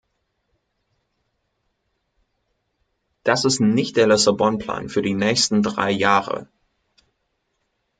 Das ist nicht der Lissabon-Plan für die nächsten drei Jahre.